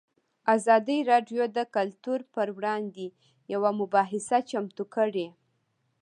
ازادي راډیو د کلتور پر وړاندې یوه مباحثه چمتو کړې.